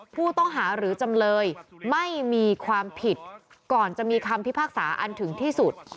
ผู้ต้องหาหรือจำเลยไม่มีความผิดก่อนจะมีคำพิพากษาอันถึงที่สุด